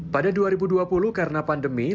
pada dua ribu dua puluh karena pandemi